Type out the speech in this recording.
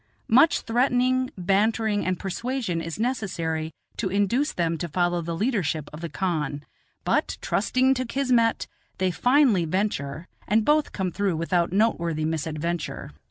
Much threatening, bantering, and persuasion is necessary to induce them to follow the leadership of the khan; but, trusting to kismet, they finally venture, and both come through without noteworthy misadventure.